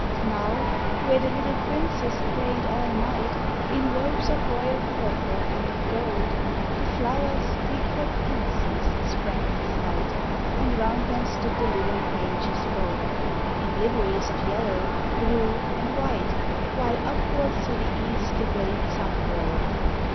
Now, where the little princes played all night In robes of royal purple and of gold, The flowers we call pansies sprang in sight, And round them stood the little pages bold, In liveries of yellow, blue, and white; While upward through the east the great sun rolled.